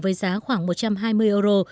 với giá khoảng một trăm hai mươi euro